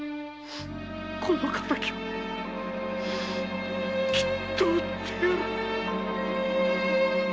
この敵はきっと討ってやる！